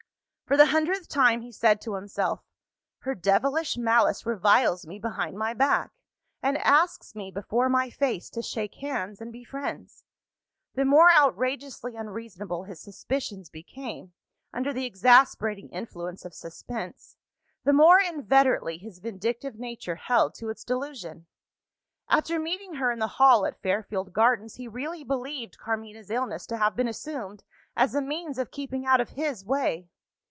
For the hundredth time he said to himself, "Her devilish malice reviles me behind my back, and asks me before my face to shake hands and be friends." The more outrageously unreasonable his suspicions became, under the exasperating influence of suspense, the more inveterately his vindictive nature held to its delusion. After meeting her in the hall at Fairfield Gardens, he really believed Carmina's illness to have been assumed as a means of keeping out of his way.